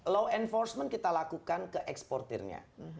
law enforcement kita lakukan ke eksportirnya